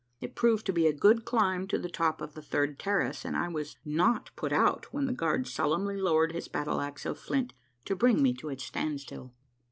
It proved to be a good climb to the top of the third terrace, and I was not put out when the guard solemnly lowered his battle axe of flint to bring me to a standstill.